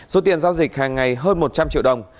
số tiền giao dịch hàng ngày hơn một trăm linh triệu đồng